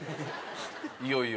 いよいよ。